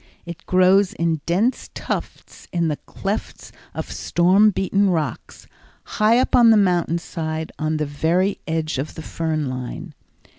It grows in dense tufts in the clefts of storm beaten rocks, high up on the mountain side on the very edge of the fern line.